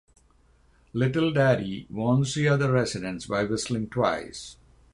Little Daddy warns the other residents by whistling twice.